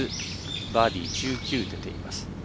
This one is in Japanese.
バーディー１９出ています。